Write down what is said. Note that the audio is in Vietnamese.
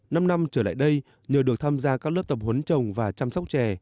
năm năm trở lại đây nhờ được tham gia các lớp tập huấn trồng và chăm sóc chè